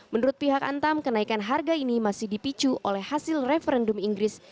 menurut pihak antam kenaikan harga ini masih dipicu oleh hasil referendum inggris